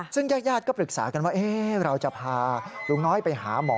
ซึ่งญาติก็ปรึกษากันว่าเราจะพาลุงน้อยไปหาหมอ